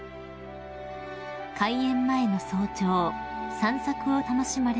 ［開園前の早朝散策を楽しまれました］